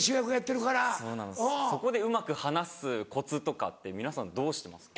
そこでうまく話すコツとかって皆さんどうしてます？